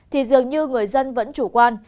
thì dường như người dân vẫn chủ quan